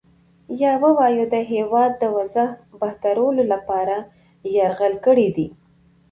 یا ووایو د هیواد د وضع بهترولو لپاره یرغل کړی دی.